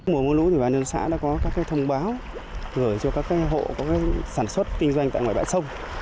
mùa mưa lũ thì bà nương xã đã có các thông báo gửi cho các hộ sản xuất kinh doanh tại ngoài bãi sông